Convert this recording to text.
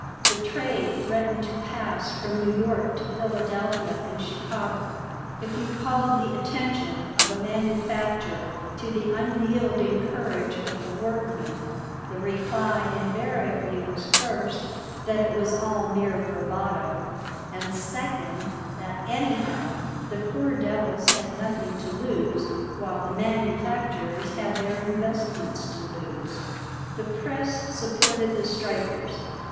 The trade threatened to pass from New York to Philadelphia and Chicago. If you called the attention of a manufacturer to the unyielding courage of the workmen, the reply invariably was, first, that it was all mere bravado; and, second, that, anyhow, the poor devils had nothing to lose, while the manufacturers had their investments to lose The press supported the strikers.